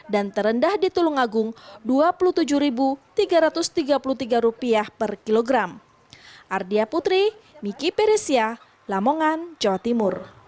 dan terendah di tulungagung rp dua puluh tujuh tiga ratus tiga puluh tiga per kilogram